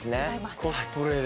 コスプレで？